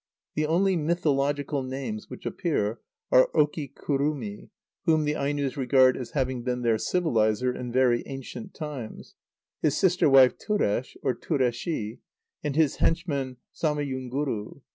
The only mythological names which appear are Okikurumi, whom the Ainos regard as having been their civilizer in very ancient times, his sister wife Turesh, or Tureshi[hi] and his henchman Samayunguru.